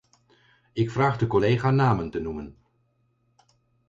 Ik vraag de collega namen te noemen.